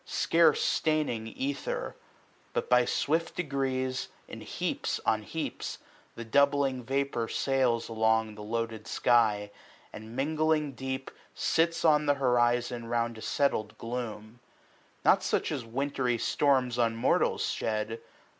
Scarce staining ether ; but by swift degrees, /f?^?^ In heaps on heaps, the doubling vapour sails y i:^U Along the loaded sky, and mingling deep, ^^C^^i^ Sits on th' horizon round a settled gloom; 150 Not such as wintry storms on mortals shed.